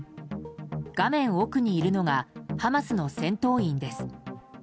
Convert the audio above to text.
画面奥にいるのがハマスの戦闘員です。